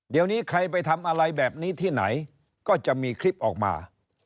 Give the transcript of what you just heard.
เดี๋ยวนี้ใครไปทำอะไรแบบนี้ที่ไหนก็จะมีคลิปออกมา